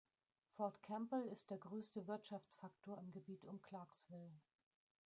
Fort Campbell ist der größte Wirtschaftsfaktor im Gebiet um Clarksville.